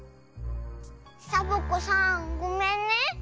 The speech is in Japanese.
サボ子さんごめんね。